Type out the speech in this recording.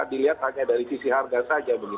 dilihat hanya dari sisi harga saja